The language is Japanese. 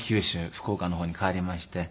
福岡の方に帰りまして。